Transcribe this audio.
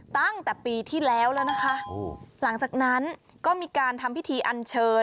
ตั้งแต่ปีที่แล้วแล้วนะคะหลังจากนั้นก็มีการทำพิธีอันเชิญ